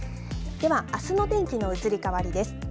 では、あすの天気の移り変わりです。